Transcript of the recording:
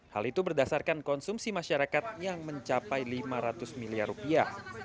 hal itu berdasarkan konsumsi masyarakat yang mencapai lima ratus miliar rupiah